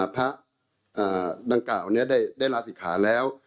พระดังกล่าวนี้ได้ลาศิกขาแล้ว